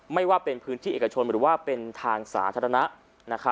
ไม่ว่าเป็นพื้นที่เอกชนหรือว่าเป็นทางสาธารณะ